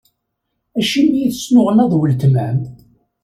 Acimi i tesnuɣnaḍ weltma-m?